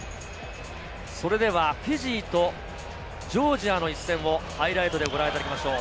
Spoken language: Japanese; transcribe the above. それではフィジーとジョージアの一戦もハイライトでご覧いただきましょう。